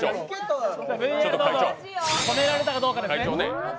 止められたかどうかですね。